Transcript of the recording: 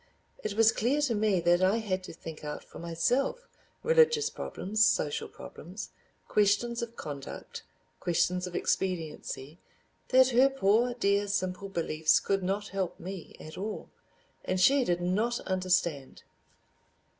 It was clear to me that I had to think out for myself religious problems, social problems, questions of conduct, questions of expediency, that her poor dear simple beliefs could not help me at all—and she did not understand!